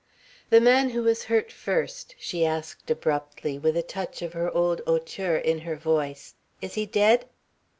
"The man who was hurt first," she asked abruptly, with a touch of her old hauteur in her voice, "is he dead?"